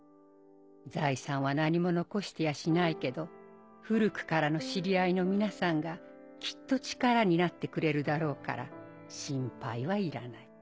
財産は何も残してやしないけど古くからの知り合いの皆さんがきっと力になってくれるだろうから心配はいらない。